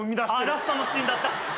ラストのシーンだった。